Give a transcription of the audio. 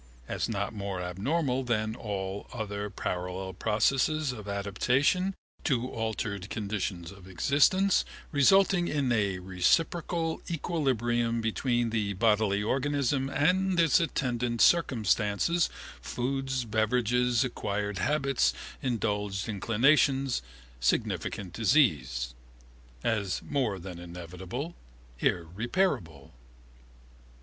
As not more abnormal than all other parallel processes of adaptation to altered conditions of existence, resulting in a reciprocal equilibrium between the bodily organism and its attendant circumstances, foods, beverages, acquired habits, indulged inclinations, significant disease. As more than inevitable, irreparable.